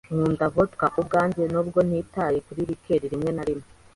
Nkunda vodka ubwanjye, nubwo ntitaye kuri liqueur rimwe na rimwe.